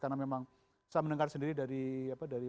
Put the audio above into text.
karena memang saya mendengar sendiri dari